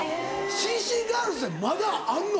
Ｃ．Ｃ．ガールズってまだあんの？